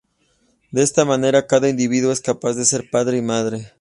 De esta manera, cada individuo es capaz de ser padre y madre.